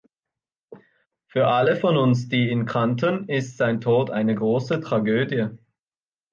Für alle von uns, die ihn kannten, ist sein Tod eine große Tragödie.